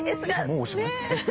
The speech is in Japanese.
もうおしまい？